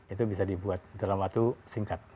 itu bisa dibuat dalam waktu singkat